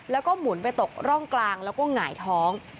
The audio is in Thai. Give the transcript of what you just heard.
แล้วก็หมุนไปตกร่องกลางแล้วก็หงายท้อง